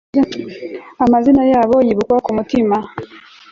Amazina yabo yibukwa kumutima